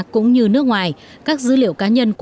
cũng như nước ngoài các dữ liệu cá nhân